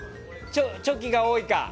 チョキが多いか。